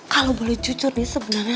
kalau boleh jujur nih sebenarnya